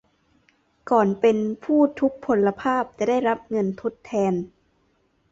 ก่อนเป็นผู้ทุพพลภาพ จะได้รับเงินทดแทน